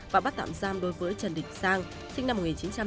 và bắt tạm giam đối với trần đình sang sinh năm một nghìn chín trăm tám mươi